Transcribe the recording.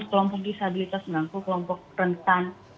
kelompok disabilitas merangkul kelompok rentan